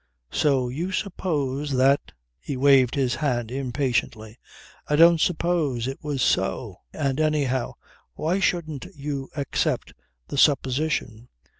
So you suppose that ..." He waved his hand impatiently. "I don't suppose. It was so. And anyhow why shouldn't you accept the supposition.